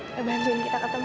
ngebantuin kita ketemu